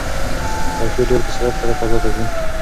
راکټ ډېر په سرعت سره فضا ته ځي.